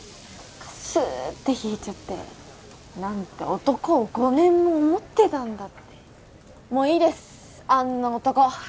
何かスーって引いちゃって何て男を５年も思ってたんだってもういいですあんな男